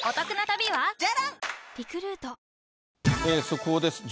速報です。